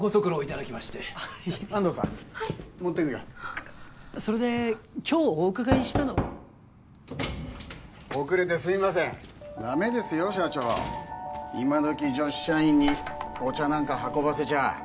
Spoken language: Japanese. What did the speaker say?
安藤さん持ってくよはいそれで今日お伺いしたのは遅れてすいませんダメですよ社長今どき女子社員にお茶なんか運ばせちゃ